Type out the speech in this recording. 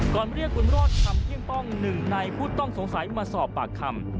ก่อนเรียกวันรอดค่ำเงียงป้อง๑ในผู้ต้องสงสัยมาสอบปากคำ